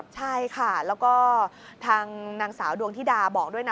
ใช่ค่ะแล้วก็ทางนางสาวดวงธิดาบอกด้วยนะ